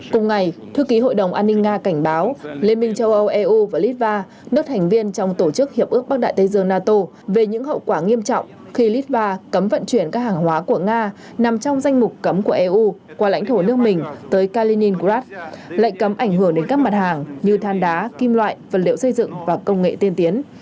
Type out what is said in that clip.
cùng ngày thư ký hội đồng an ninh nga cảnh báo liên minh châu âu eu và litva nước thành viên trong tổ chức hiệp ước bắc đại tây dương nato về những hậu quả nghiêm trọng khi litva cấm vận chuyển các hàng hóa của nga nằm trong danh mục cấm của eu qua lãnh thổ nước mình tới kaliningrad lệnh cấm ảnh hưởng đến các mặt hàng như than đá kim loại vật liệu xây dựng và công nghệ tiên tiến